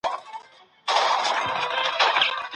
استاد وویل چي د کندهار پښتو زموږ د ژبي د بقا اساسي شرط دی.